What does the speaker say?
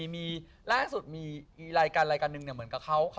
ไม่ได้เข้าค่ะ